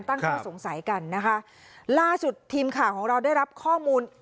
ตั้งข้อสงสัยกันนะคะล่าสุดทีมข่าวของเราได้รับข้อมูล